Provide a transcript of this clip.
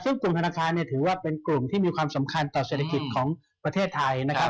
ซึ่งกลุ่มธนาคารเนี่ยถือว่าเป็นกลุ่มที่มีความสำคัญต่อเศรษฐกิจของประเทศไทยนะครับ